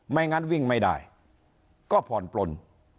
ไม่งั้นวิ่งไม่ได้ก็ผ่อนปลน